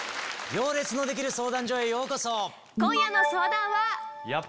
『行列のできる相談所』へようこそ。